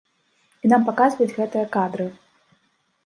І нам паказваюць гэтыя кадры.